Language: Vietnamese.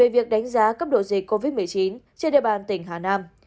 về việc đánh giá cấp độ dịch covid một mươi chín trên địa bàn tỉnh hà nam